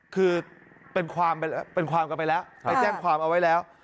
คือเป็นความเป็นความกันไปแล้วไปแจ้งความเอาไว้แล้ว